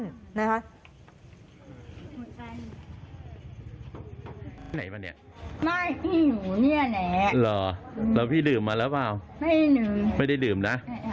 กลางคืนพี่มองไม่เห็นใช่สายตามันนั้นสั้น